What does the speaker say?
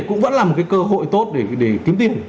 cũng vẫn là một cái cơ hội tốt để kiếm tin